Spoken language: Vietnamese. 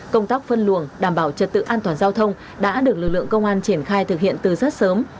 công tác phân luồng đảm bảo trật tự an toàn giao thông đã được lực lượng công an triển khai thực hiện từ rất sớm